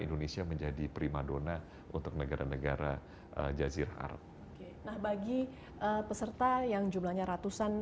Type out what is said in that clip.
indonesia menjadi prima dona untuk negara negara jazirah arab nah bagi peserta yang jumlahnya ratusan